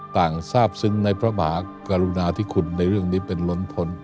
ทราบซึ้งในพระมหากรุณาที่คุณในเรื่องนี้เป็นล้นพ้น